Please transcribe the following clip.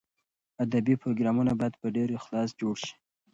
ادبي پروګرامونه باید په ډېر اخلاص جوړ شي.